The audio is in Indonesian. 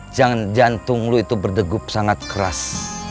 jangan jantung lu itu berdegup sangat keras